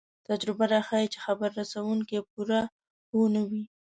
تجربه راښيي چې خبر رسوونکی پوره پوه نه وي.